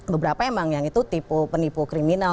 beberapa memang yang itu penipu kriminal